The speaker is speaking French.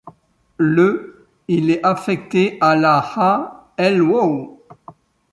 Le il est affecté à la à Lwów.